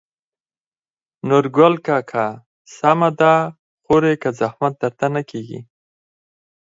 نورګل کاکا: سمه ده خورې که زحمت درته نه کېږي.